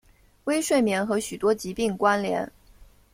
微睡眠和许多疾病关联。